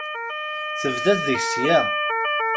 Tebda-t ddeg-s aya.